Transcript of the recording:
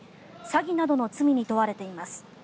詐欺などの罪に問われています。